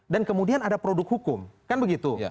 dan kemudian ada produk hukum kan begitu